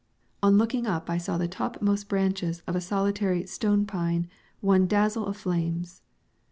On looking up I saw the topmost branches of a solitary stone pine one dazzle of flames.